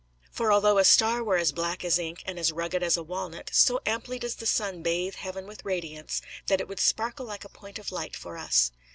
For although a star were as black as ink and as rugged as a walnut, so amply does the sun bathe heaven with radiance, that it would sparkle like a point of light for us.